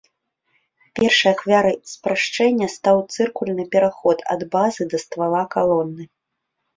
Першай ахвярай спрашчэння стаў цыркульны пераход ад базы да ствала калоны.